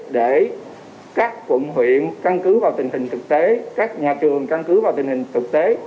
để các quận huyện căn cứ vào tình hình thực tế các nhà trường căn cứ vào tình hình thực tế